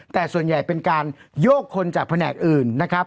แต่ส่วนใหญ่เป็นการโยกคนจากแผนกอื่นนะครับ